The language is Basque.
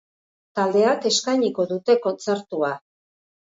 Taldeak eskainiko dute kontzertua.